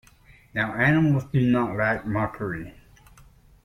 Now animals do not like mockery.